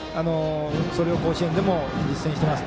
それを甲子園でも実践しています。